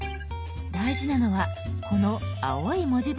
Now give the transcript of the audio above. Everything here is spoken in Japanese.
大事なのはこの青い文字部分です。